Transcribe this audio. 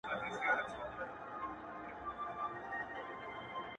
• زه به د درد يوه بې درده فلسفه بيان کړم،